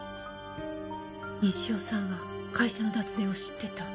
西尾さんは会社の脱税を知ってた。